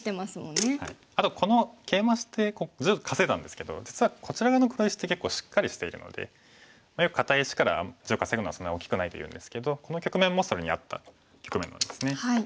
あとこのケイマして地を稼いだんですけど実はこちら側の黒石って結構しっかりしているのでよく堅い石から地を稼ぐのはそんなに大きくないというんですけどこの局面もそれに合った局面なんですね。